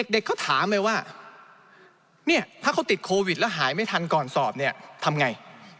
เด็กเขาถามเลยว่าเนี่ยถ้าเขาติดโควิดแล้วหายไม่ทันก่อนสอบเนี่ยทำไง